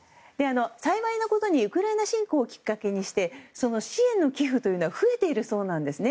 幸いなことにウクライナ侵攻をきっかけにして支援の寄付というのは増えているそうなんですね。